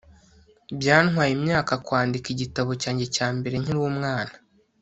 byantwaye imyaka kwandika igitabo cyanjye cya mbere nkiri umwana